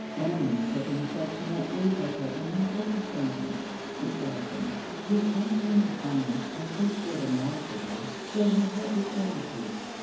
Emmeline took an affectionate leave of her amiable acquaintance, Miss Lawson, whose uncommon kindness, on so short a knowledge of her, filled her heart with gratitude.